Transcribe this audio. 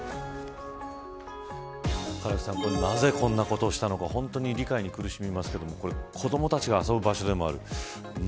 唐木さん、なぜこんな事をしたのか理解に苦しみますけど子どもたちが遊ぶ場所でもある。